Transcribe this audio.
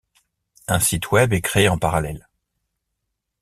Un site web est créé en parallèle.